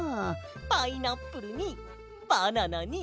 パイナップルにバナナにマンゴー！